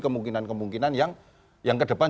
kemungkinan kemungkinan yang ke depan